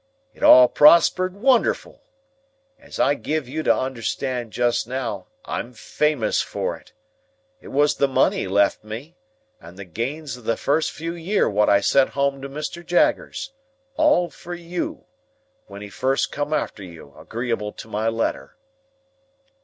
It all prospered wonderful. As I giv' you to understand just now, I'm famous for it. It was the money left me, and the gains of the first few year wot I sent home to Mr. Jaggers—all for you—when he first come arter you, agreeable to my letter."